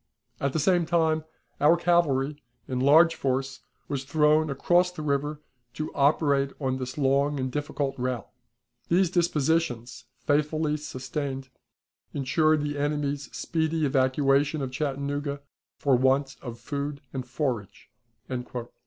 At the same time, our cavalry, in large force, was thrown across the river to operate on this long and difficult route. These dispositions, faithfully sustained, insured the enemy's speedy evacuation of Chattanooga for want of food and forage."